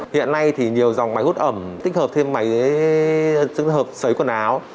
hiện nay thì nhiều dòng máy hút ẩm tích hợp thêm máy xấy quần áo